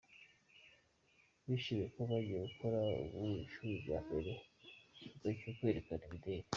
Bishimiye ko bagiye gukora ku nshuro ya mbere igikorwa cyo kwerekana imideri.